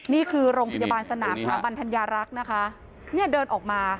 นี่คือโรงพยาบาลสนามสถาบันธัญญารักษ์นะคะเนี่ยเดินออกมา